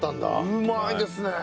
うまいですね。